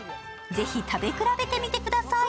ぜひ食べ比べてみてください。